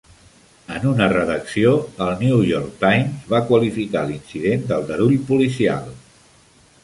En una redacció, el New York Times va qualificar l'incident d'aldarull policial.